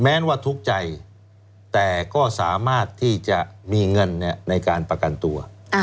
ว่าทุกข์ใจแต่ก็สามารถที่จะมีเงินในการประกันตัว